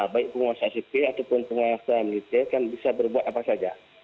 baik penguasa sipil ataupun penguasa militer kan bisa berbuat apa saja